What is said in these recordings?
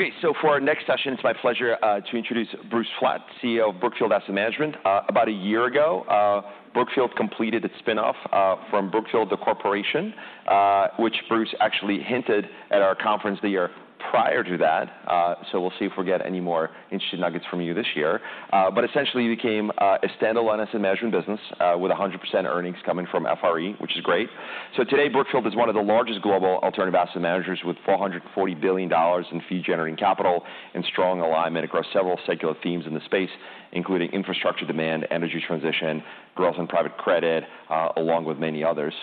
Okay, so for our next session, it's my pleasure to introduce Bruce Flatt, CEO of Brookfield Asset Management. About a year ago, Brookfield completed its spin-off from Brookfield Corporation, which Bruce actually hinted at our conference the year prior to that. So we'll see if we get any more interesting nuggets from you this year. But essentially you became a standalone asset management business with 100% earnings coming from FRE, which is great. So today, Brookfield is one of the largest global alternative asset managers, with $440 billion in fee-generating capital and strong alignment across several secular themes in the space, including infrastructure demand, energy transition, growth and private credit, along with many others.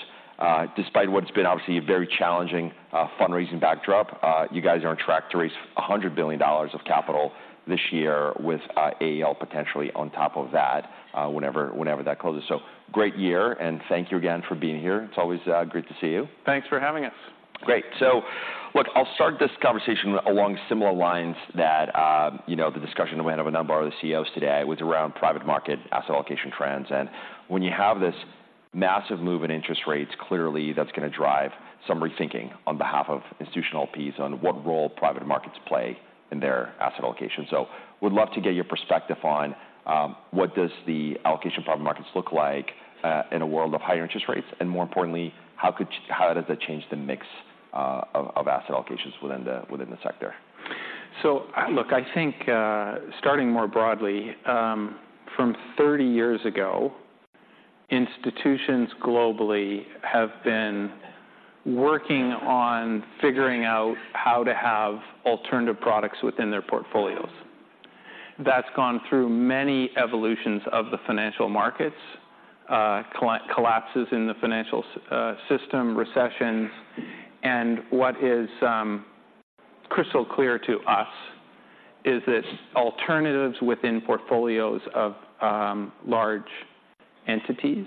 Despite what's been obviously a very challenging fundraising backdrop, you guys are on track to raise $100 billion of capital this year with AEL potentially on top of that, whenever that closes. So great year, and thank you again for being here. It's always great to see you. Thanks for having us. Great. So look, I'll start this conversation along similar lines that, you know, the discussion we had with a number of the CEOs today, which is around private market, asset allocation trends. And when you have this massive move in interest rates, clearly that's gonna drive some rethinking on behalf of institutional LPs on what role private markets play in their asset allocation. So would love to get your perspective on, what does the allocation of private markets look like, in a world of higher interest rates? And more importantly, how does that change the mix, of asset allocations within the sector? So, look, I think, starting more broadly, from 30 years ago, institutions globally have been working on figuring out how to have alternative products within their portfolios. That's gone through many evolutions of the financial markets, collapses in the financial system, recessions. And what is crystal clear to us is that alternatives within portfolios of large entities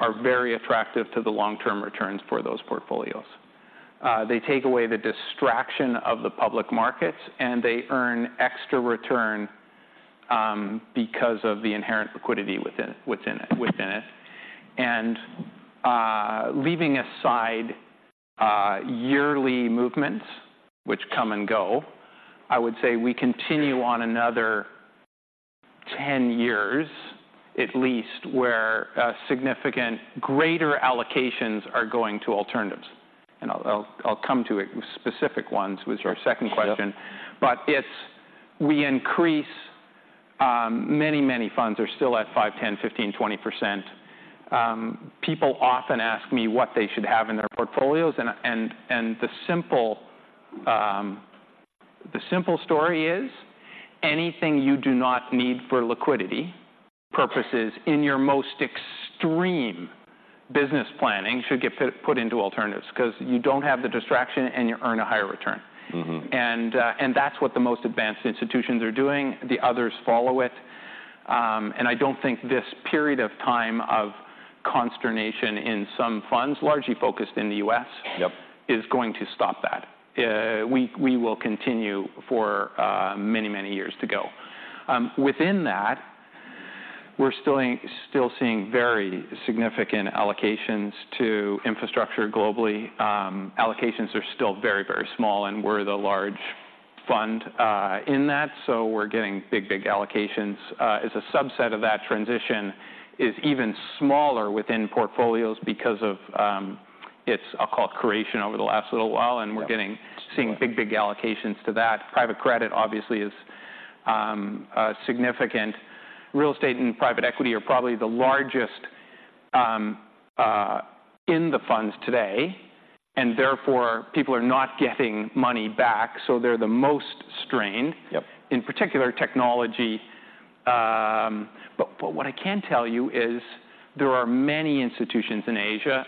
are very attractive to the long-term returns for those portfolios. They take away the distraction of the public markets, and they earn extra return because of the inherent liquidity within it. And, leaving aside, yearly movements, which come and go, I would say we continue on another 10 years, at least, where significant greater allocations are going to alternatives. And I'll come to specific ones, which is our second question. Yep. But if we increase, many, many funds are still at 5%, 10%, 15%, 20%. People often ask me what they should have in their portfolios, and the simple story is, anything you do not need for liquidity purposes in your most extreme business planning should get put into alternatives 'cause you don't have the distraction, and you earn a higher return. Mm-hmm. And that's what the most advanced institutions are doing. The others follow it. And I don't think this period of time of consternation in some funds, largely focused in the U.S.- Yep... is going to stop that. We will continue for many, many years to go. Within that, we're still seeing very significant allocations to infrastructure globally. Allocations are still very, very small, and we're the large fund in that, so we're getting big, big allocations. As a subset of that transition is even smaller within portfolios because of its creation over the last little while- Yep and we're seeing big, big allocations to that. Private credit, obviously, is significant. Real estate and private equity are probably the largest in the funds today, and therefore, people are not getting money back, so they're the most strained. Yep. In particular, technology. But what I can tell you is there are many institutions in Asia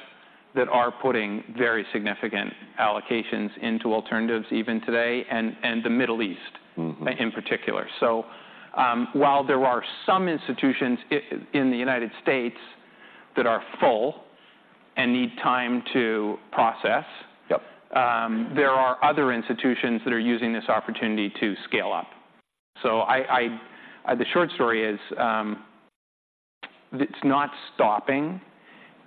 that are putting very significant allocations into alternatives even today, and the Middle East- Mm-hmm... in particular. So, while there are some institutions in the United States that are full and need time to process- Yep... there are other institutions that are using this opportunity to scale up. So, the short story is, it's not stopping,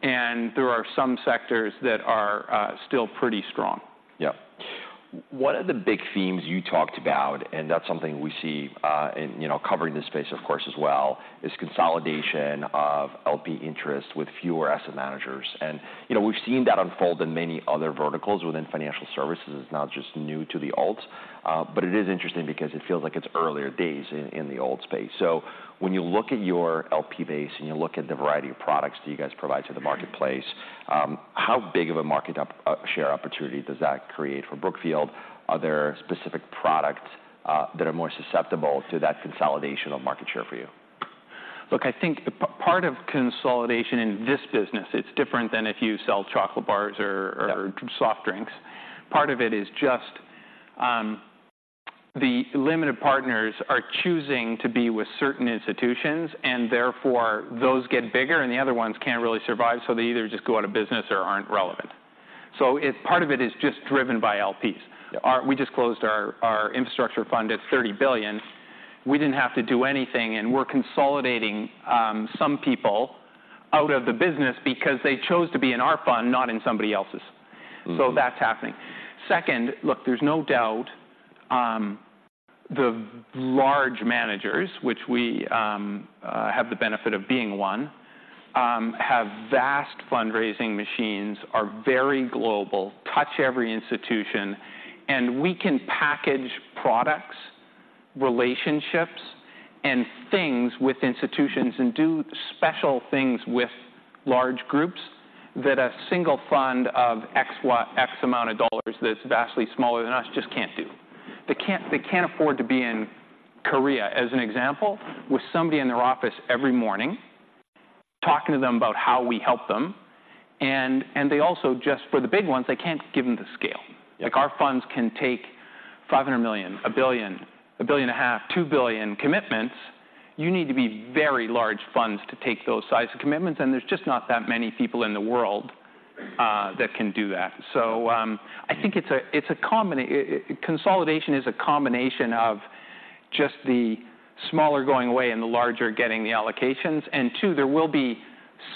and there are some sectors that are still pretty strong. Yep. One of the big themes you talked about, and that's something we see in, you know, covering this space, of course, as well, is consolidation of LP interest with fewer asset managers. You know, we've seen that unfold in many other verticals within financial services. It's not just new to the alts, but it is interesting because it feels like it's earlier days in the alt space. So when you look at your LP base, and you look at the variety of products that you guys provide to the marketplace, how big of a market share opportunity does that create for Brookfield? Are there specific products that are more susceptible to that consolidation of market share for you? Look, I think part of consolidation in this business, it's different than if you sell chocolate bars or- Yep... or soft drinks. Part of it is just, the limited partners are choosing to be with certain institutions, and therefore, those get bigger, and the other ones can't really survive, so they either just go out of business or aren't relevant. So part of it is just driven by LPs. We just closed our infrastructure fund at $30 billion. We didn't have to do anything, and we're consolidating some people out of the business because they chose to be in our fund, not in somebody else's. Mm-hmm. So that's happening. Second, look, there's no doubt, the large managers, which we have the benefit of being one, have vast fundraising machines, are very global, touch every institution, and we can package products, relationships, and things with institutions and do special things with large groups that a single fund of X amount of dollars that's vastly smaller than us just can't do. They can't, they can't afford to be in Korea, as an example, with somebody in their office every morning, talking to them about how we help them. And they also just, for the big ones, they can't give them the scale. Like, our funds can take $500 million, $1 billion, $1.5 billion, $2 billion commitments. You need to be very large funds to take those size of commitments, and there's just not that many people in the world that can do that. So, I think consolidation is a combination of just the smaller going away and the larger getting the allocations. And two, there will be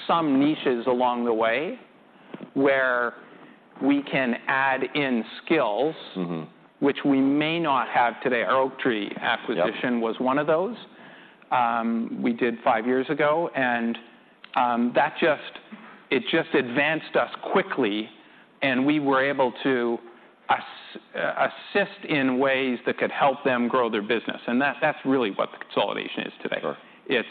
some niches along the way where we can add in skills- Mm-hmm... which we may not have today. Our Oaktree acquisition- Yep... was one of those we did five years ago, and that just advanced us quickly, and we were able to assist in ways that could help them grow their business, and that's really what the consolidation is today. Sure. It's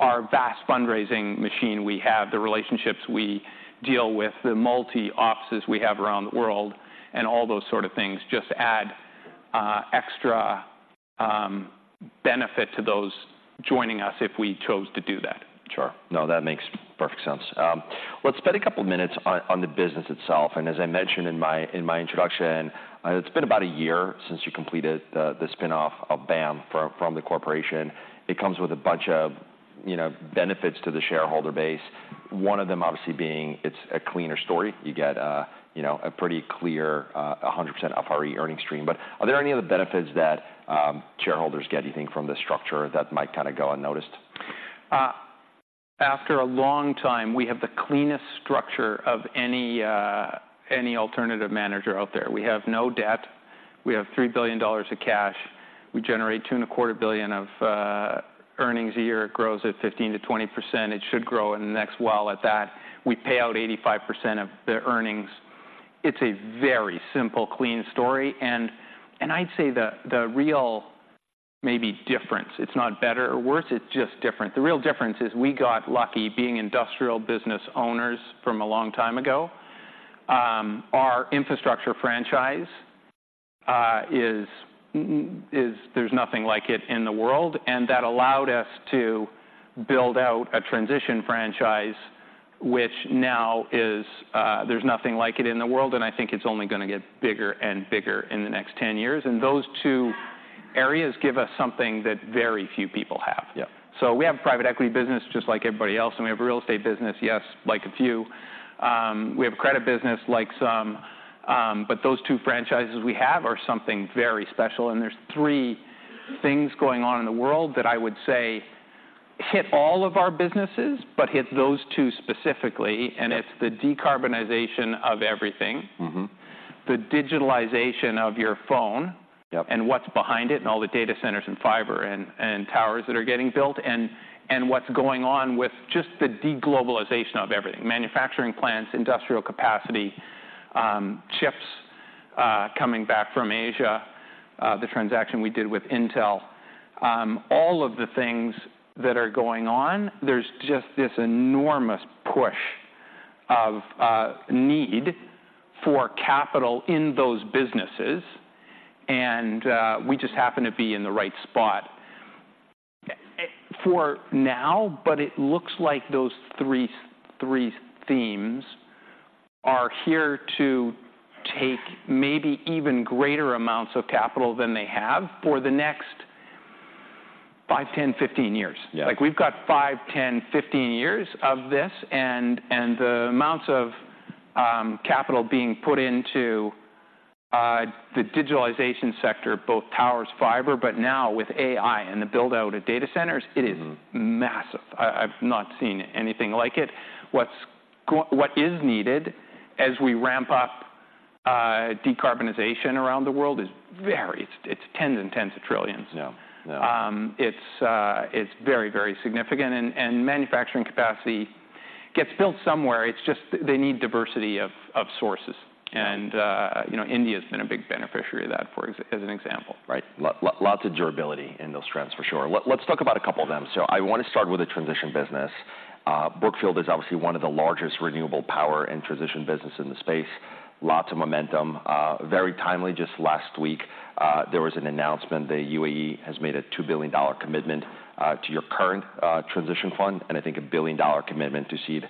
our vast fundraising machine we have, the relationships we deal with, the multiple offices we have around the world, and all those sort of things just add extra benefit to those joining us if we chose to do that. Sure. No, that makes perfect sense. Let's spend a couple minutes on the business itself, and as I mentioned in my introduction, it's been about a year since you completed the spin-off of BAM from the corporation. It comes with a bunch of, you know, benefits to the shareholder base. One of them obviously being it's a cleaner story. You get, you know, a pretty clear, 100% of our earnings stream. But are there any other benefits that shareholders get, do you think, from this structure that might kind of go unnoticed? After a long time, we have the cleanest structure of any alternative manager out there. We have no debt. We have $3 billion of cash. We generate $2.25 billion of earnings a year. It grows at 15%-20%. It should grow in the next while at that. We pay out 85% of the earnings. It's a very simple, clean story, and I'd say the real maybe difference. It's not better or worse, it's just different. The real difference is we got lucky being industrial business owners from a long time ago. Our infrastructure franchise is. There's nothing like it in the world, and that allowed us to build out a transition franchise, which now is. There's nothing like it in the world, and I think it's only gonna get bigger and bigger in the next 10 years. And those two areas give us something that very few people have. Yep. So we have a private equity business just like everybody else, and we have a real estate business, yes, like a few. We have a credit business like some, but those two franchises we have are something very special, and there's three things going on in the world that I would say hit all of our businesses but hit those two specifically, and it's the decarbonization of everything- Mm-hmm... the digitalization of your phone- Yep... and what's behind it, and all the data centers, and fiber, and towers that are getting built, and what's going on with just the de-globalization of everything. Manufacturing plants, industrial capacity, chips, coming back from Asia, the transaction we did with Intel. All of the things that are going on, there's just this enormous push of need for capital in those businesses, and we just happen to be in the right spot, for now, but it looks like those three themes are here to take maybe even greater amounts of capital than they have for the next 5, 10, 15 years. Yeah. Like, we've got 5, 10, 15 years of this, and the amounts of capital being put into the digitalization sector, both towers, fiber, but now with AI and the build-out of data centers- Mm-hmm... it is massive. I, I've not seen anything like it. What is needed as we ramp up decarbonization around the world is very, it's, it's tens and tens of trillions. Yeah. Yeah. It's very, very significant, and manufacturing capacity gets built somewhere, it's just they need diversity of sources. Yeah. You know, India's been a big beneficiary of that, for example, as an example. Right. Lots of durability in those trends, for sure. Let's talk about a couple of them. So I want to start with the transition business. Brookfield is obviously one of the largest renewable power and transition business in the space. Lots of momentum. Very timely, just last week, there was an announcement that UAE has made a $2 billion commitment to your current transition fund, and I think a $1 billion commitment to seed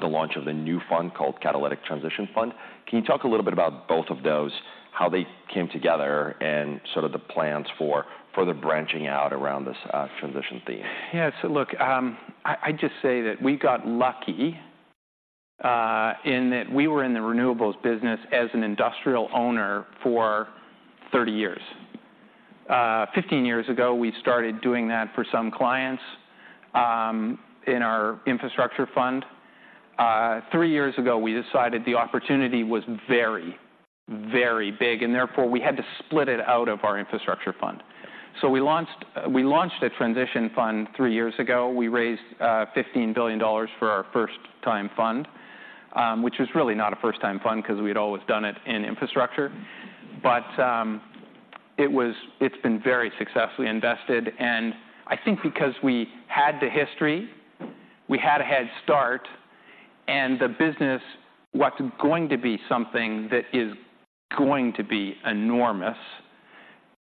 the launch of the new fund called Catalytic Transition Fund. Can you talk a little bit about both of those, how they came together and sort of the plans for further branching out around this transition theme? Yeah. So look, I'd just say that we got lucky in that we were in the renewables business as an industrial owner for 30 years. Fifteen years ago, we started doing that for some clients in our infrastructure fund. Three years ago, we decided the opportunity was very, very big, and therefore, we had to split it out of our infrastructure fund. So we launched, we launched a transition fund three years ago. We raised $15 billion for our first-time fund, which was really not a first-time fund because we had always done it in infrastructure. But it's been very successfully invested, and I think because we had the history, we had a head start, and the business was going to be something that is going to be enormous.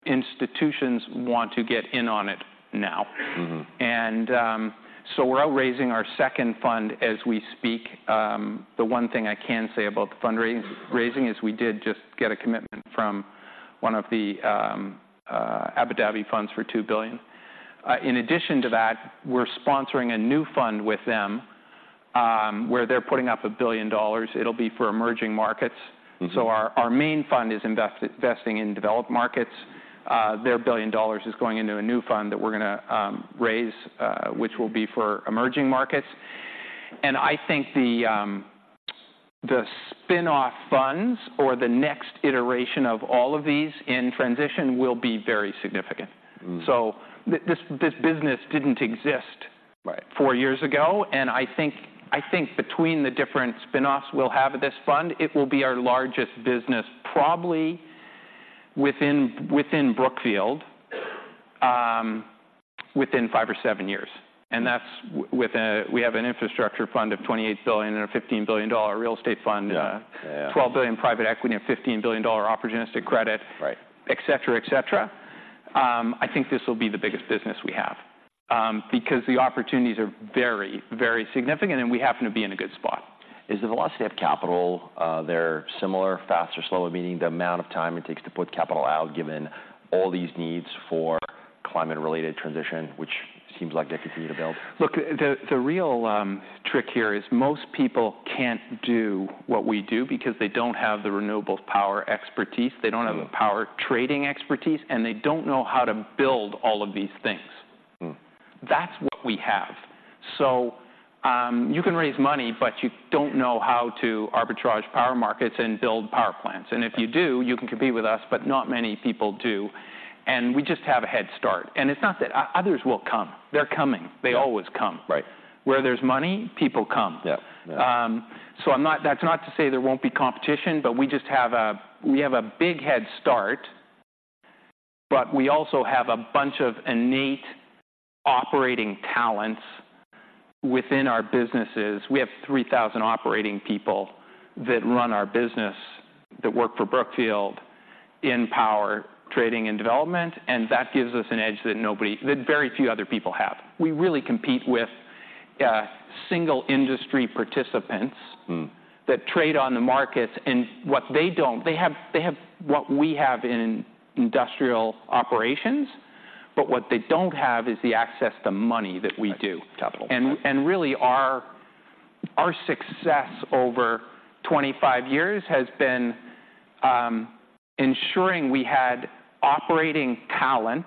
Institutions want to get in on it now. Mm-hmm. And so we're out raising our second fund as we speak. The one thing I can say about the fundraising is we did just get a commitment from one of the Abu Dhabi funds for $2 billion. In addition to that, we're sponsoring a new fund with them, where they're putting up $1 billion. It'll be for emerging markets. Mm-hmm. Our main fund is investing in developed markets. Their $1 billion is going into a new fund that we're gonna raise, which will be for emerging markets. I think the spin-off funds or the next iteration of all of these in transition will be very significant. Mm. So this business didn't exist. Right... four years ago, and I think between the different spin-offs we'll have of this fund, it will be our largest business, probably within Brookfield within five or seven years. And that's with we have an infrastructure fund of $28 billion and a $15 billion real estate fund- Yeah. Yeah. $12 billion private equity, and $15 billion opportunistic credit Right... et cetera, et cetera. I think this will be the biggest business we have, because the opportunities are very, very significant, and we happen to be in a good spot. Is the velocity of capital, they're similar, faster, slower, meaning the amount of time it takes to put capital out, given all these needs for climate-related transition, which seems like they continue to build? Look, the real trick here is most people can't do what we do because they don't have the renewables power expertise, they don't- Mm... have the power trading expertise, and they don't know how to build all of these things. Mm. That's what we have. So, you can raise money, but you don't know how to arbitrage power markets and build power plants. And if you do, you can compete with us, but not many people do, and we just have a head start. And it's not that... Others will come. They're coming. They always come. Right. Where there's money, people come. Yeah. That's not to say there won't be competition, but we just have a big head start, but we also have a bunch of innate operating talents within our businesses. We have 3,000 operating people that run our business, that work for Brookfield in power, trading, and development, and that gives us an edge that very few other people have. We really compete with single industry participants. Mm... that trade on the markets, and what they don't. They have, they have what we have in industrial operations, but what they don't have is the access to money that we do. Capital. Really, our success over 25 years has been ensuring we had operating talent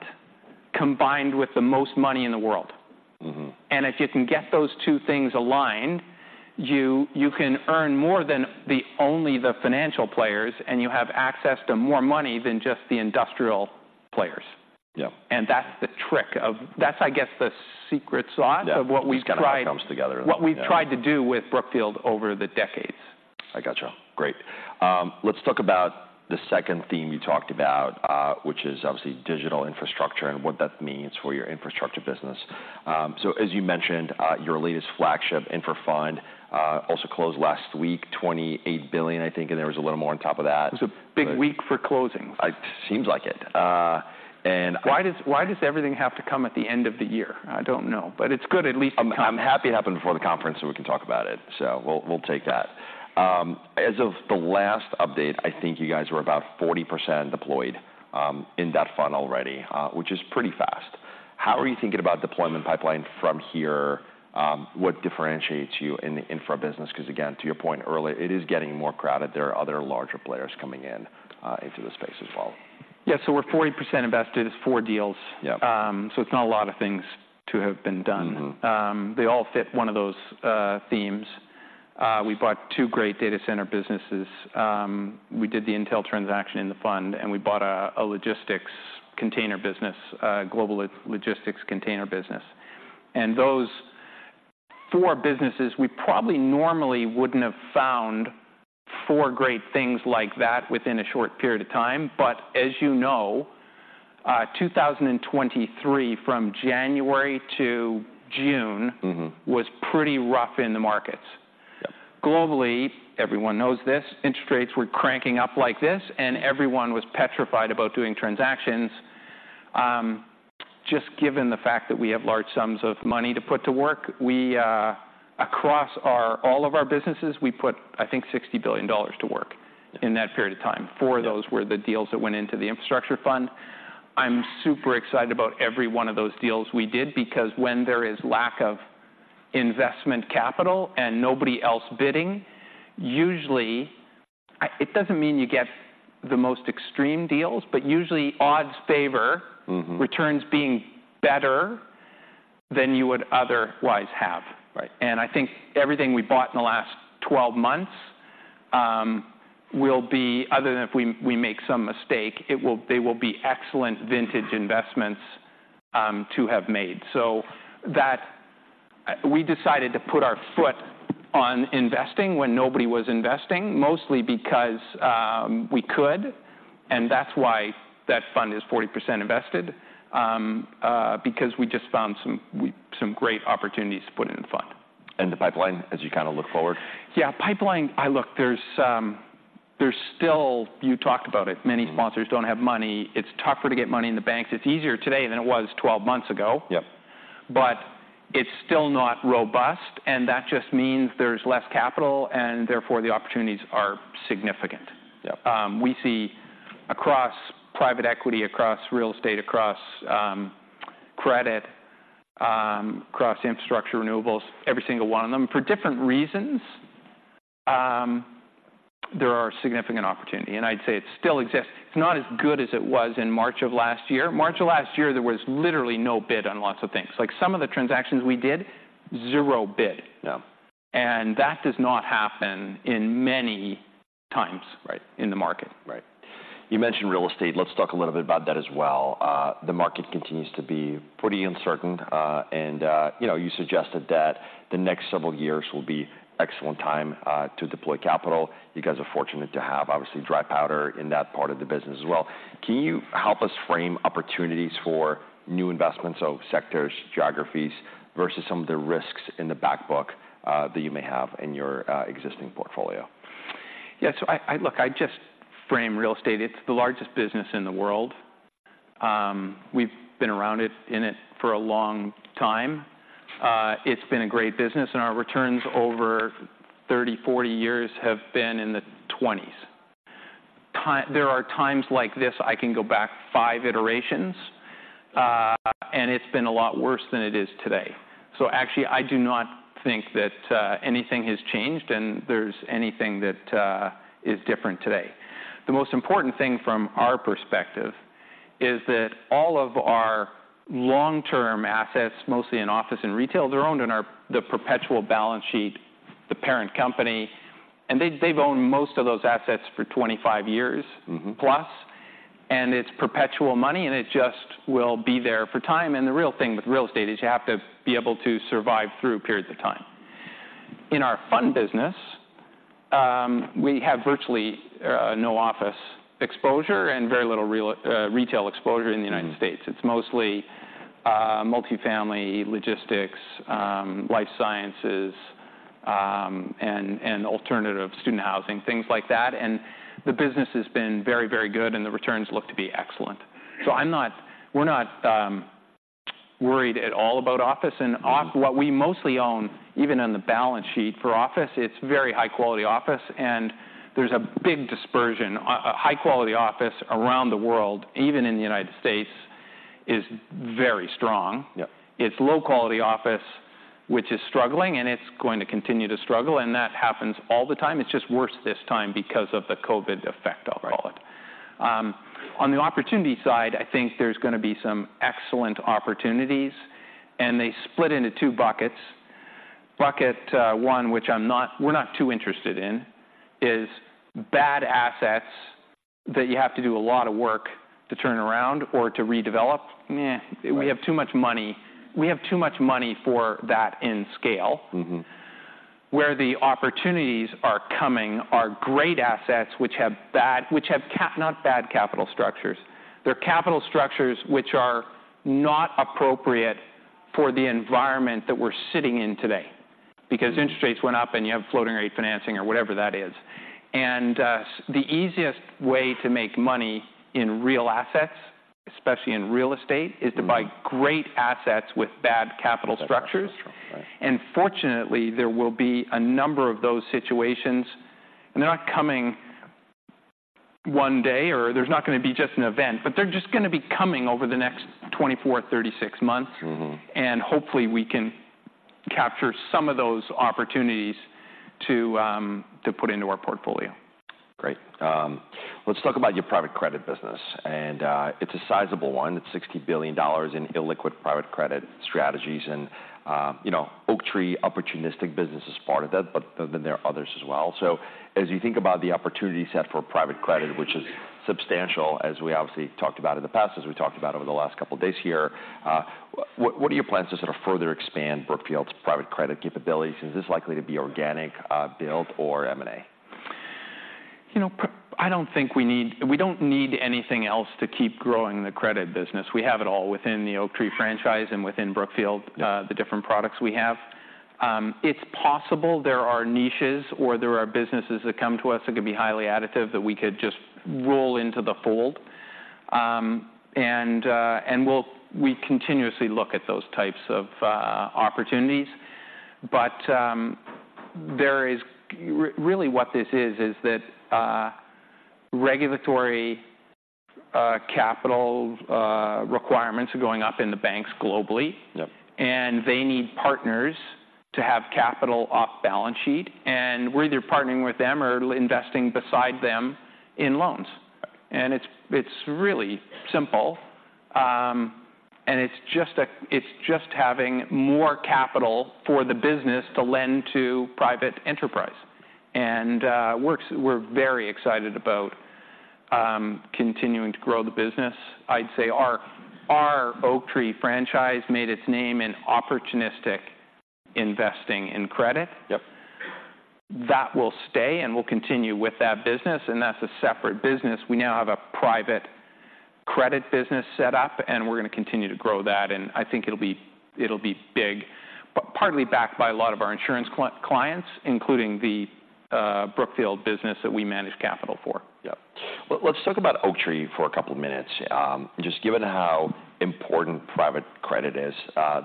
combined with the most money in the world. Mm-hmm. If you can get those two things aligned, you can earn more than the only the financial players, and you have access to more money than just the industrial players. Yeah. And that's the trick of... That's, I guess, the secret sauce- Yeah... of what we've tried- It kind of comes together. What we've tried to do with Brookfield over the decades. I gotcha. Great. Let's talk about the second theme you talked about, which is obviously digital infrastructure and what that means for your infrastructure business. So as you mentioned, your latest flagship Infra Fund also closed last week, $28 billion, I think, and there was a little more on top of that. It was a big week for closing. It seems like it. Why does, why does everything have to come at the end of the year? I don't know, but it's good at least it comes. I'm happy it happened before the conference, so we can talk about it, so we'll take that. As of the last update, I think you guys were about 40% deployed in that fund already, which is pretty fast. How are you thinking about deployment pipeline from here? What differentiates you in the infra business? Because, again, to your point earlier, it is getting more crowded. There are other larger players coming in into the space as well. Yeah. So we're 40% invested. It's 4 deals. Yeah. It's not a lot of things to have been done. Mm-hmm. They all fit one of those themes. We bought two great data center businesses. We did the Intel transaction in the fund, and we bought a logistics container business, global logistics container business. And those four businesses, we probably normally wouldn't have found four great things like that within a short period of time, but as you know, 2023, from January to June- Mm-hmm... was pretty rough in the markets. Yeah. Globally, everyone knows this, interest rates were cranking up like this, and everyone was petrified about doing transactions. Just given the fact that we have large sums of money to put to work, we, across our, all of our businesses, we put, I think, $60 billion to work in that period of time. Four of those were the deals that went into the infrastructure fund. I'm super excited about every one of those deals we did, because when there is lack of investment capital and nobody else bidding, usually, it doesn't mean you get the most extreme deals, but usually odds favor- Mm-hmm. returns being better than you would otherwise have. Right. I think everything we bought in the last 12 months will be, other than if we make some mistake, it will, they will be excellent vintage investments to have made. So that we decided to put our foot on investing when nobody was investing, mostly because we could, and that's why that fund is 40% invested because we just found some great opportunities to put in the fund. The pipeline, as you kind of look forward? Yeah, pipeline, I look, there's still... You talked about it. Mm-hmm. Many sponsors don't have money. It's tougher to get money in the banks. It's easier today than it was 12 months ago- Yep... but it's still not robust, and that just means there's less capital, and therefore, the opportunities are significant. Yep. We see across private equity, across real estate, across credit, across infrastructure, renewables, every single one of them, for different reasons, there are significant opportunity, and I'd say it still exists. It's not as good as it was in March of last year. March of last year, there was literally no bid on lots of things. Like, some of the transactions we did, zero bid. No. That does not happen in many times. Right... in the market. Right. You mentioned real estate. Let's talk a little bit about that as well. The market continues to be pretty uncertain, and, you know, you suggested that the next several years will be excellent time to deploy capital. You guys are fortunate to have, obviously, dry powder in that part of the business as well. Can you help us frame opportunities for new investments, so sectors, geographies, versus some of the risks in the back book that you may have in your existing portfolio? Yeah, so Look, I just frame real estate. It's the largest business in the world. We've been around it, in it for a long time. It's been a great business, and our returns over 30, 40 years have been in the 20s. There are times like this, I can go back 5 iterations, and it's been a lot worse than it is today. So actually, I do not think that anything has changed, and there's anything that is different today. The most important thing from our perspective is that all of our long-term assets, mostly in office and retail, they're owned in the perpetual balance sheet, the parent company, and they, they've owned most of those assets for 25 years- Mm-hmm... plus, and it's perpetual money, and it just will be there for time, and the real thing with real estate is you have to be able to survive through periods of time. In our fund business, we have virtually no office exposure and very little retail exposure in the United States. Mm-hmm. It's mostly multifamily, logistics, life sciences, and alternative student housing, things like that, and the business has been very, very good, and the returns look to be excellent. So I'm not-- we're not worried at all about office, and off- Mm-hmm. What we mostly own, even on the balance sheet for office, it's very high-quality office, and there's a big dispersion. A high-quality office around the world, even in the United States, is very strong. Yep. It's low-quality office which is struggling, and it's going to continue to struggle, and that happens all the time. It's just worse this time because of the COVID effect, I'll call it. Right. On the opportunity side, I think there's gonna be some excellent opportunities, and they split into two buckets. Bucket one, which I'm not—we're not too interested in, is bad assets that you have to do a lot of work to turn around or to redevelop. Right... we have too much money. We have too much money for that in scale. Mm-hmm. Where the opportunities are coming are great assets which have not bad capital structures. They're capital structures which are not appropriate for the environment that we're sitting in today, because interest rates went up, and you have floating rate financing or whatever that is, and the easiest way to make money in real assets, especially in real estate- Mm-hmm... is to buy great assets with bad capital structures. Bad capital structures, right. Fortunately, there will be a number of those situations, and they're not coming one day, or there's not gonna be just an event, but they're just gonna be coming over the next 24-36 months. Mm-hmm. And hopefully, we can capture some of those opportunities to put into our portfolio. Great. Let's talk about your private credit business, and it's a sizable one. It's $60 billion in illiquid private credit strategies, and you know, Oaktree Opportunistic business is part of that, but then there are others as well. So as you think about the opportunity set for private credit, which is substantial, as we obviously talked about in the past, as we talked about over the last couple of days here, what, what are your plans to sort of further expand Brookfield's private credit capabilities? Is this likely to be organic build, or M&A? You know, I don't think we need—we don't need anything else to keep growing the credit business. We have it all within the Oaktree franchise and within Brookfield- Yep... the different products we have. It's possible there are niches or there are businesses that come to us that could be highly additive, that we could just roll into the fold.... and we continuously look at those types of opportunities. But, there is really what this is, is that, regulatory capital requirements are going up in the banks globally. Yep. They need partners to have capital off balance sheet, and we're either partnering with them or investing beside them in loans. Yep. It's really simple. It's just having more capital for the business to lend to private enterprise. We're very excited about continuing to grow the business. I'd say our Oaktree franchise made its name in opportunistic investing in credit. Yep. That will stay, and we'll continue with that business, and that's a separate business. We now have a private credit business set up, and we're gonna continue to grow that, and I think it'll be, it'll be big. But partly backed by a lot of our insurance clients, including the Brookfield business that we manage capital for. Yep. Well, let's talk about Oaktree for a couple of minutes. Just given how important private credit is,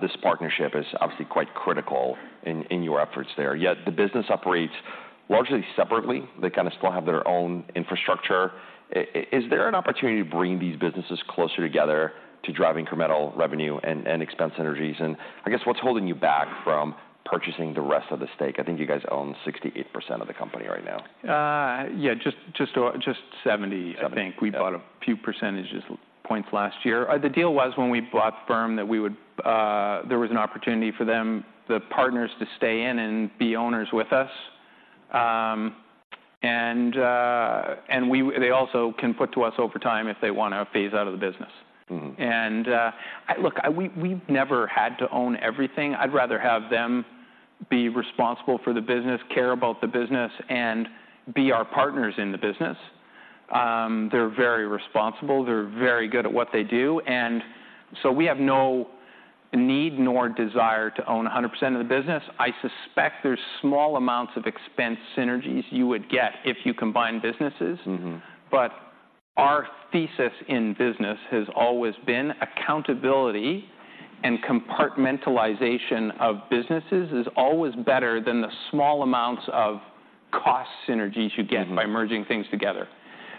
this partnership is obviously quite critical in your efforts there, yet the business operates largely separately. They kind of still have their own infrastructure. Is there an opportunity to bring these businesses closer together to drive incremental revenue and expense synergies? And I guess, what's holding you back from purchasing the rest of the stake? I think you guys own 68% of the company right now. Yeah, just seventy- Seventy... I think. We bought a few percentage points last year. The deal was when we bought the firm that we would... There was an opportunity for them, the partners, to stay in and be owners with us. They also can put to us over time if they wanna phase out of the business. Mm-hmm. We've never had to own everything. I'd rather have them be responsible for the business, care about the business, and be our partners in the business. They're very responsible. They're very good at what they do, and so we have no need nor desire to own 100% of the business. I suspect there's small amounts of expense synergies you would get if you combine businesses. Mm-hmm. But our thesis in business has always been accountability, and compartmentalization of businesses is always better than the small amounts of cost synergies- Mm-hmm... you get by merging things together.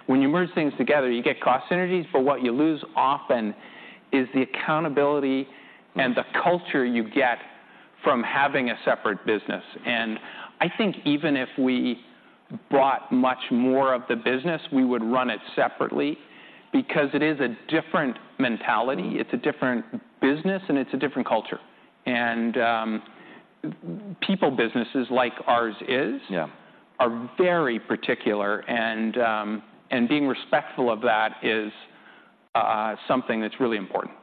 When you merge things together, you get cost synergies, but what you lose often is the accountability and the culture you get from having a separate business. And I think even if we bought much more of the business, we would run it separately because it is a different mentality, it's a different business, and it's a different culture. And, people businesses, like ours is- Yeah... are very particular, and being respectful of that is something that's really important.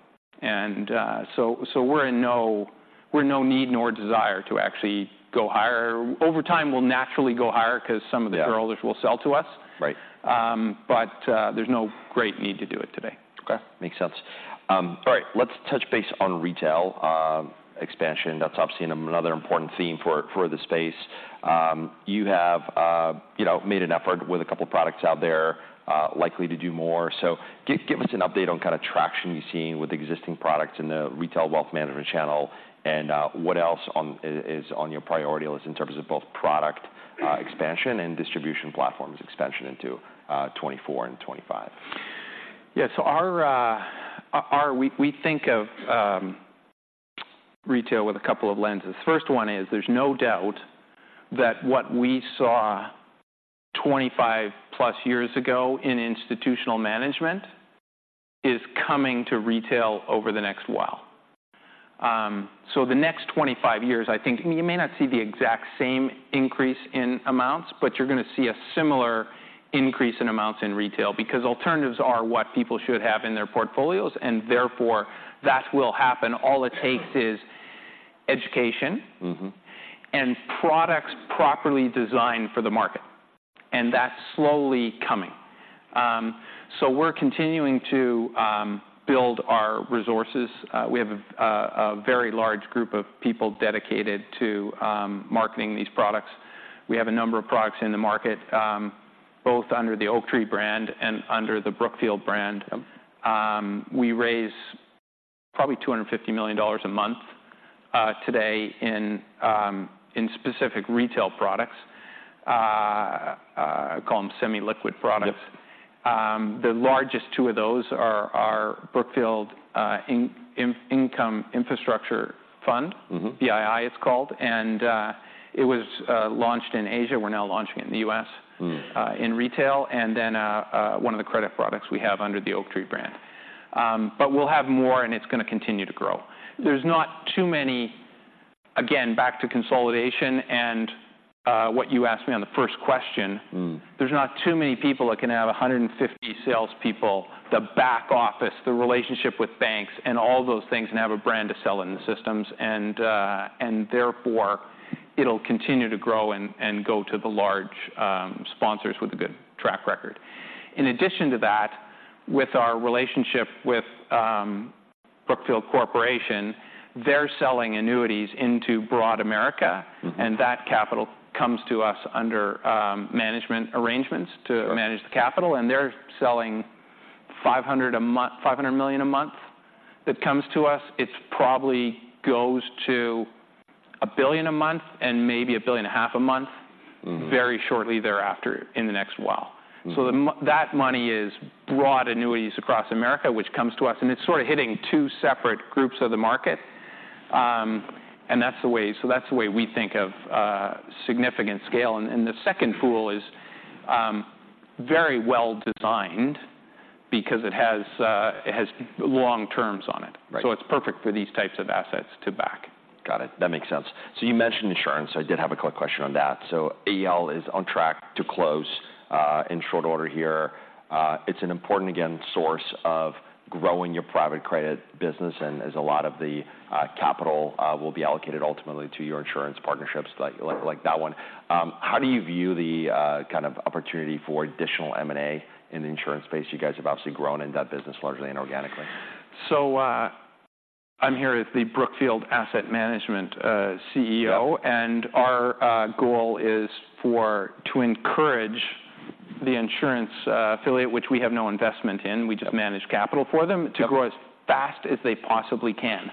And so we're in no need nor desire to actually go higher. Over time, we'll naturally go higher 'cause some of the- Yeah... owners will sell to us. Right. But, there's no great need to do it today. Okay, makes sense. All right, let's touch base on retail expansion. That's obviously another important theme for the space. You have, you know, made an effort with a couple of products out there, likely to do more. So give us an update on kind of traction you're seeing with existing products in the retail wealth management channel, and what else is on your priority list in terms of both product expansion and distribution platforms expansion into 2024 and 2025. Yeah, so our... We think of retail with a couple of lenses. First one is, there's no doubt that what we saw 25+ years ago in institutional management is coming to retail over the next while. So the next 25 years, I think, you may not see the exact same increase in amounts, but you're gonna see a similar increase in amounts in retail because alternatives are what people should have in their portfolios, and therefore, that will happen. All it takes is education. Mm-hmm... and products properly designed for the market, and that's slowly coming. So we're continuing to build our resources. We have a very large group of people dedicated to marketing these products. We have a number of products in the market, both under the Oaktree brand and under the Brookfield brand. Yep. We raise probably $250 million a month today in specific retail products, call them semi-liquid products. Yep. The largest two of those are our Brookfield Income Infrastructure Fund. Mm-hmm. BII, it's called, and it was launched in Asia. We're now launching it in the US- Mm... in retail, and then, one of the credit products we have under the Oaktree brand. But we'll have more, and it's gonna continue to grow. There's not too many... Again, back to consolidation and, what you asked me on the first question- Mm... there's not too many people that can have 150 salespeople, the back office, the relationship with banks, and all those things, and have a brand to sell in the systems, and, and therefore, it'll continue to grow and, and go to the large sponsors with a good track record. In addition to that, with our relationship with Brookfield Corporation, they're selling annuities into broad America, and that capital comes to us under management arrangements to manage the capital, and they're selling $500 million a month that comes to us. It probably goes to $1 billion a month, and maybe $1.5 billion a month- Mm-hmm Very shortly thereafter, in the next while. Mm-hmm. So that money is from annuities across America, which comes to us, and it's sort of hitting two separate groups of the market. And that's the way we think of significant scale. And the second pool is very well designed because it has long terms on it. Right. It's perfect for these types of assets to back. Got it. That makes sense. So you mentioned insurance. I did have a quick question on that. So AEL is on track to close in short order here. It's an important, again, source of growing your private credit business and as a lot of the capital will be allocated ultimately to your insurance partnerships, like, like that one. How do you view the kind of opportunity for additional M&A in the insurance space? You guys have obviously grown in that business largely and organically. I'm here as the Brookfield Asset Management CEO- Yeah and our goal is to encourage the insurance affiliate, which we have no investment in- Yeah We just manage capital for them. Yeah to grow as fast as they possibly can,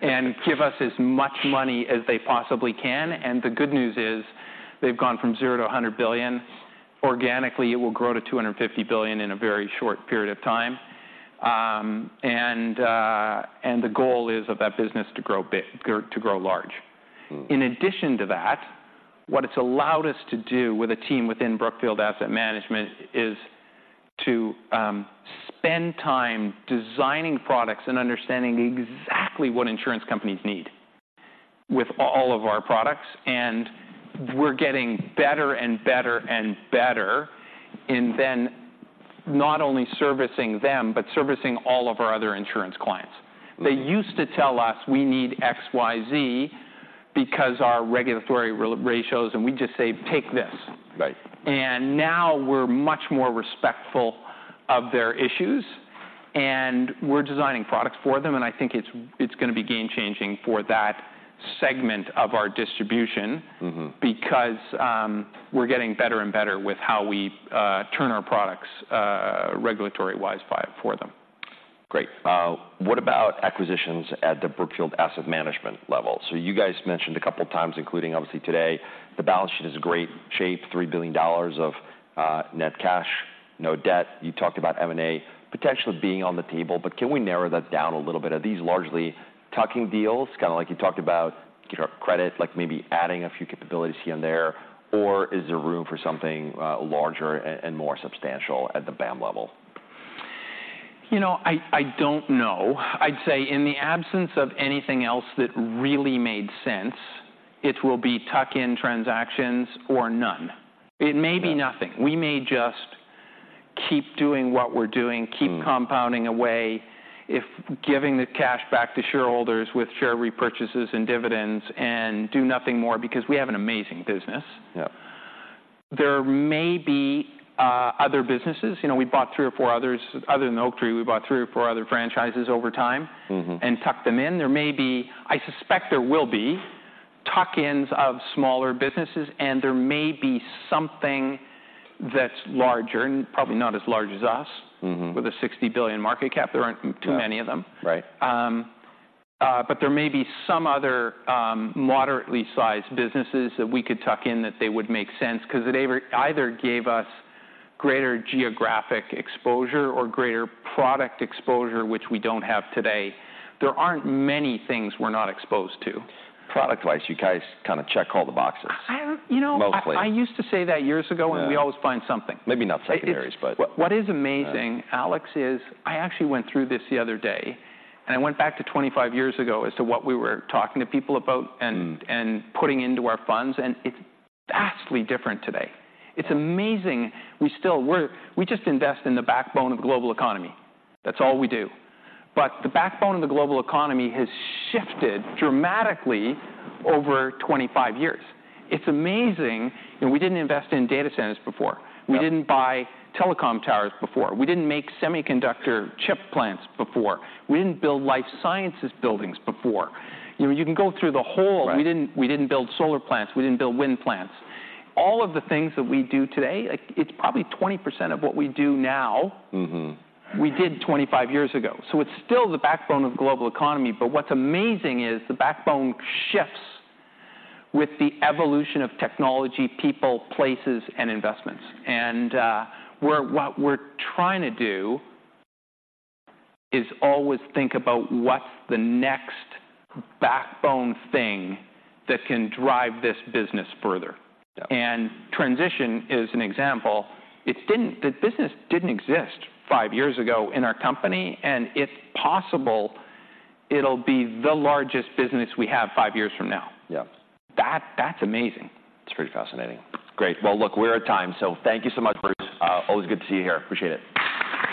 and give us as much money as they possibly can, and the good news is they've gone from zero to $100 billion. Organically, it will grow to $250 billion in a very short period of time. And the goal is of that business to grow big, to grow large. Mm. In addition to that, what it's allowed us to do with a team within Brookfield Asset Management is to spend time designing products and understanding exactly what insurance companies need with all of our products, and we're getting better and better and better in then not only servicing them but servicing all of our other insurance clients. Mm. They used to tell us, "We need XYZ because our regulatory ratios..." We'd just say, "Take this. Right. Now we're much more respectful of their issues, and we're designing products for them, and I think it's, it's gonna be game-changing for that segment of our distribution- Mm-hmm because we're getting better and better with how we turn our products regulatory-wise by for them. Great. What about acquisitions at the Brookfield Asset Management level? So you guys mentioned a couple of times, including obviously today, the balance sheet is in great shape, $3 billion of net cash, no debt. You talked about M&A potentially being on the table, but can we narrow that down a little bit? Are these largely tuck-in deals, kind of like you talked about credit, like maybe adding a few capabilities here and there, or is there room for something larger and more substantial at the BAM level? You know, I don't know. I'd say in the absence of anything else that really made sense, it will be tuck-in transactions or none. Yeah. It may be nothing. We may just keep doing what we're doing- Mm Keep compounding away, if giving the cash back to shareholders with share repurchases and dividends, and do nothing more because we have an amazing business. Yeah. There may be other businesses. You know, we bought three or four others, other than Oaktree, we bought three or four other franchises over time- Mm-hmm... and tucked them in. There may be, I suspect there will be tuck-ins of smaller businesses, and there may be something that's larger and probably not as large as us. Mm-hmm. With a $60 billion market cap, there aren't too many of them. Right. There may be some other, moderately sized businesses that we could tuck in, that they would make sense because they either gave us greater geographic exposure or greater product exposure, which we don't have today. There aren't many things we're not exposed to. Product-wise, you guys kind of check all the boxes- I, you know— -mostly... I used to say that years ago- Yeah And we always find something. Maybe not secondaries, but- What is amazing- Yeah... Alex, is I actually went through this the other day, and I went back to 25 years ago as to what we were talking to people about- Mm putting into our funds, and it's vastly different today. It's amazing. We still, we just invest in the backbone of the global economy. That's all we do. But the backbone of the global economy has shifted dramatically over 25 years. It's amazing, and we didn't invest in data centers before. Yeah. We didn't buy telecom towers before. We didn't make semiconductor chip plants before. We didn't build life sciences buildings before. You know, you can go through the whole- Right... we didn't, we didn't build solar plants, we didn't build wind plants. All of the things that we do today, like, it's probably 20% of what we do now- Mm-hmm... we did 25 years ago. So it's still the backbone of the global economy, but what's amazing is the backbone shifts with the evolution of technology, people, places, and investments. What we're trying to do is always think about what's the next backbone thing that can drive this business further. Yeah. Transition is an example. The business didn't exist five years ago in our company, and it's possible it'll be the largest business we have five years from now. Yeah. That, that's amazing. It's pretty fascinating. Great. Well, look, we're at time, so thank you so much, Bruce. Always good to see you here. Appreciate it.